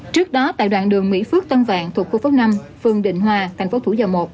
trước đó tại đoạn đường mỹ phước tân vạn thuộc khu phố năm phường định hòa thành phố thủ dầu một